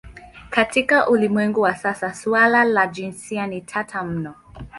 Katika ulimwengu wa sasa suala la jinsia ni tata mno.